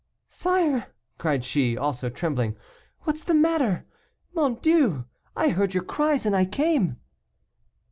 "Sire," cried she, also trembling, "what is the matter? Mon Dieu! I heard your cries, and I came."